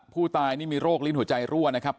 ผู้ตายนี่มีโรคลิ้นหัวใจรั่วนะครับ